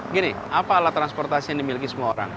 gini apa alat transportasi yang dimiliki semua orang